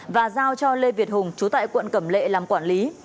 và giao cho lê việt hùng chú tại quận cẩm lệ làm quản lý